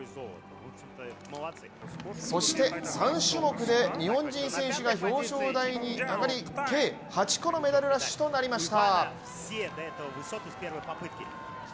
そして３種目で日本人選手が表彰台に上がり、計８個のメダルラッシュとなりました。